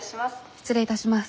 失礼いたします。